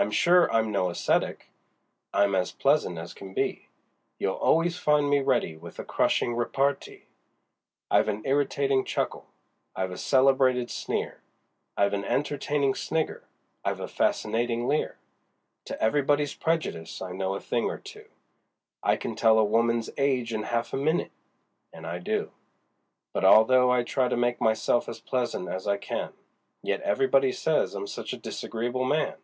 I'm sure I'm no ascetic: I'm as pleasant as can be; You'll always find me ready with a crushing repartee; I've an irritating chuckle; I've a celebrated sneer; I've an entertaining snigger; I've a fascinating leer; To everybody's prejudice I know a thing or two; I can tell a woman's age in half a minute and I do But although I try to make myself as pleasant as I can, Yet everybody says I'm such a disagreeable man!